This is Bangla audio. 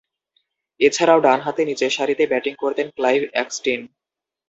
এছাড়াও, ডানহাতে নিচেরসারিতে ব্যাটিং করতেন ক্লাইভ এক্সটিন।